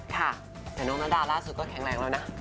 ค่ะแต่น้องนาดาล่าสุดก็แข็งแรงแล้วนะ